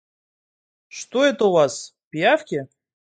Что это у вас, пиявки?